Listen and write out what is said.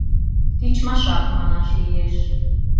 Тичмашак, манаш лиеш.